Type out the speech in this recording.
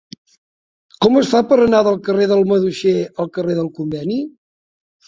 Com es fa per anar del carrer del Maduixer al carrer del Conveni?